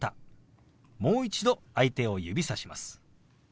もう一度相手を指さします。